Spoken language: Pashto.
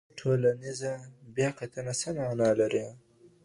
ټولنيزه بياکتنه څه معنا لري؟